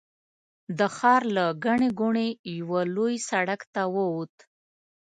د ښار له ګڼې ګوڼې یوه لوی سړک ته ووت.